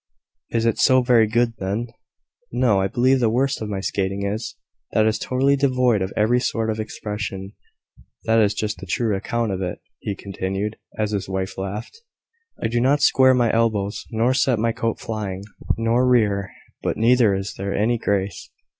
"Is it so very good, then?" "No. I believe the worst of my skating is, that it is totally devoid of every sort of expression. That is just the true account of it," he continued, as his wife laughed. "I do not square my elbows, nor set my coat flying, nor stoop, nor rear; but neither is there any grace.